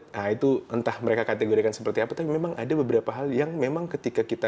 nah itu entah mereka kategorikan seperti apa tapi memang ada beberapa hal yang memang ketika kita